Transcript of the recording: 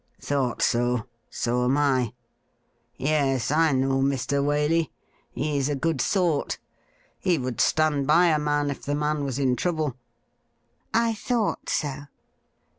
' Thought so ; so am I. Yes, I know Mr. Waley. He's a good sort. He would stand by a man if the man was in trouble.' ' I thought so.'